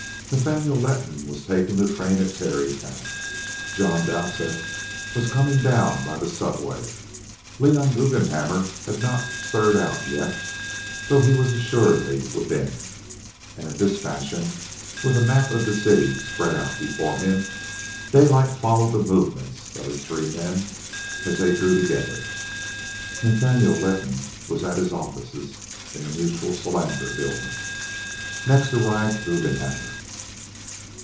Nathaniel Letton was taking the train at Tarrytown. John Dowsett was coming down by the subway. Leon Guggenhammer had not stirred out yet, though he was assuredly within. And in this fashion, with a map of the city spread out before him, Daylight followed the movements of his three men as they drew together. Nathaniel Letton was at his offices in the Mutual Solander Building. Next arrived Guggenhammer.